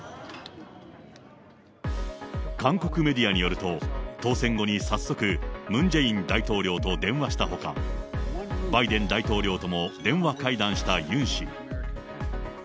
韓国メディアによると、当選後に早速、ムン・ジェイン大統領と電話したほか、バイデン大統領とも電話会談したユン氏。